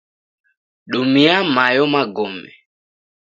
Dumia mayo magome